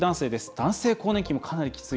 男性更年期も、かなりきつい。